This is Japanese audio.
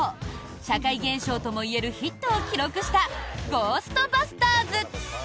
社会現象ともいえるヒットを記録した「ゴーストバスターズ」。